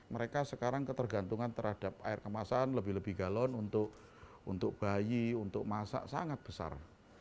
mereka sekarang ketergantungan terhadap air kemasan lebih lebih galon untuk bayi untuk masak sangat besar